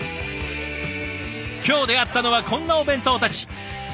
今日出会ったのはこんなお弁当たち。